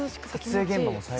撮影現場も最高。